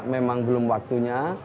memang belum waktunya